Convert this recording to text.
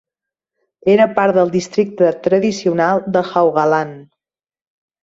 Era part del districte tradicional de Haugaland.